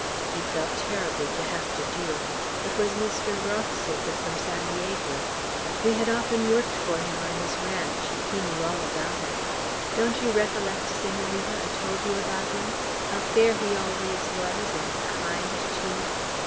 He felt terribly to have to do it. It was Mr. Rothsaker, from San Diego. We had often worked for him on his ranch. He knew all about us. Don't you recollect, Senorita, I told you about him, how fair he always was, and kind too?